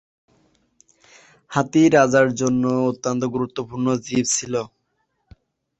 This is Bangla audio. হাতি রাজার জন্য অত্যন্ত গুরুত্বপূর্ণ জীব ছিল।